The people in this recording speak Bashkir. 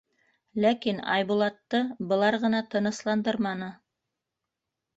Ләкин Айбулатты былар ғына тынысландырманы.